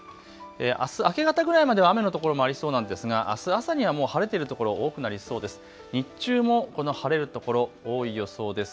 あす明け方ごろまでは雨の所もありそうなんですがあす朝にも晴れている所、多くなりそうです。